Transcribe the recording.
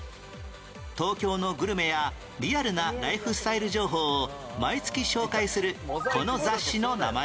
東京のグルメやリアルなライフスタイル情報を毎月紹介するこの雑誌の名前は？